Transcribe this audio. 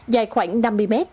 dài khoảng năm mươi m